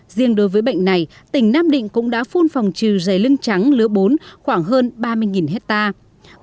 riêng đối với bệnh này tỉnh nam định cũng đã phun phòng trừ dày lưng trắng lứa bốn khoảng hơn ba mươi hectare